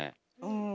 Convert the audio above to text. うん。